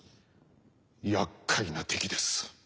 厄介な敵です。